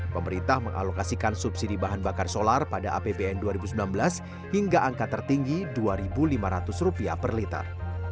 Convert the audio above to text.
pemerintah mengalokasikan subsidi bahan bakar solar pada apbn dua ribu sembilan belas hingga angka tertinggi rp dua lima ratus per liter